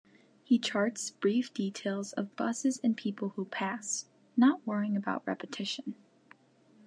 He charts brief details of buses and people who pass, not worrying about repetition.